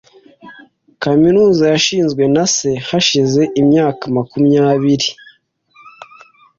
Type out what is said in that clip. Kaminuza yashinzwe na se hashize imyaka makumyabiri .